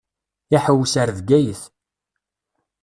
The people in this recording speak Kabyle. Iḥewwes ar Bgayet.